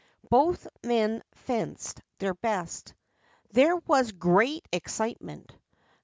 Both men fenced their best. There was great excite ment.